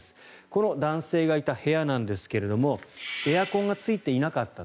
この男性がいた部屋なんですがエアコンがついていなかった。